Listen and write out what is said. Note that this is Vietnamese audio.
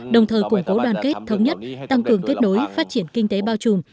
đồng thời củng cố đoàn kết thống nhất tăng cường kết nối phát triển kinh tế bao trùm